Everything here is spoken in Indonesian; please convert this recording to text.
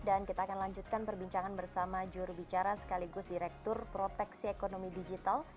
dan kita akan lanjutkan perbincangan bersama jurubicara sekaligus direktur proteksi ekonomi digital